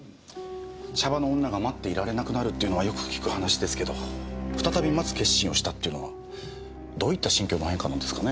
シャバの女が待っていられなくなるっていうのはよく聞く話ですけど再び待つ決心をしたっていうのはどういった心境の変化なんですかね？